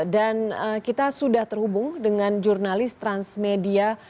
dan kita sudah terhubung dengan jurnalis transmedia